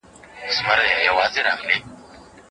هیوادونه د فردي حقونو په اړه څه وایي؟